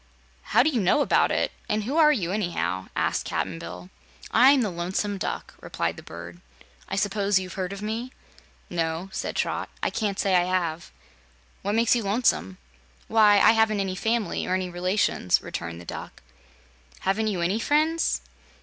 "How do you know about it, and who are you, anyhow?" asked Cap'n Bill. "I'm the Lonesome Duck," replied the bird. "I suppose you've heard of me?" "No," said Trot, "I can't say I have. What makes you lonesome?" "Why, I haven't any family or any relations," returned the Duck. "Haven't you any friends?"